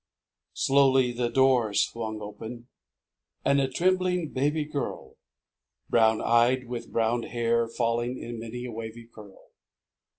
Slowly the door swung open, And a trembhng baby girl, Brown eyed, with brown hair falling In many a wavy curl.